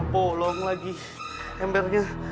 bolong lagi embernya